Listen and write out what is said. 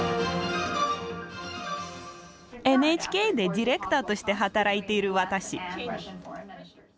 ＮＨＫでディレクターとして働いている私。